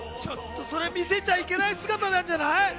見せちゃいけない姿なんじゃない？